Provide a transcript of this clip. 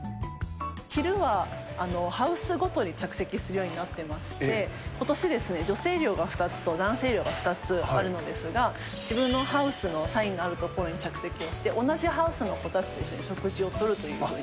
昼は、ハウスごとに着席するようになってまして、ことし、女性寮が２つと男性寮が２つあるのですが、自分のハウスのサインがある所に着席をして、同じハウスの子たちと一緒に食事をとるというふうに。